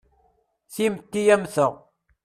Timetti am ta.